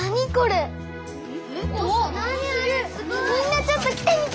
みんなちょっと来てみて！